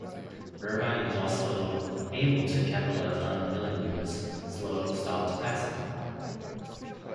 Irvine was also able to capitalize on Villeneuve's slow stop to pass him.